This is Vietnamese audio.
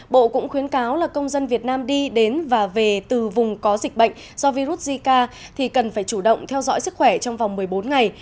bộ cũng khuyến cáo là công dân việt nam đi đến và về từ vùng có dịch bệnh do virus zika thì cần phải chủ động theo dõi sức khỏe trong vòng một mươi bốn ngày